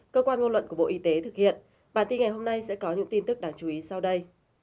cơ quan ngôn luận của bộ y tế thực hiện bản tin ngày hôm nay sẽ có những tin tức đáng chú ý sau đây